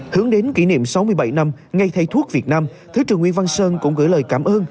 hướng đến kỷ niệm sáu mươi bảy năm ngày thầy thuốc việt nam thứ trưởng nguyễn văn sơn cũng gửi lời cảm ơn